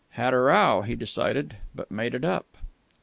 "Had a row," he decided, "but made it up."